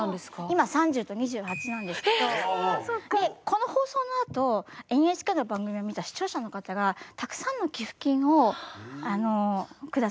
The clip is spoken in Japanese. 今３０と２８なんですけどこの放送のあとＮＨＫの番組を見た視聴者の方がたくさんの寄付金を下さって。